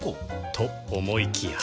と思いきや